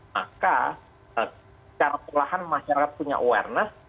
maka secara perlahan masyarakat punya awareness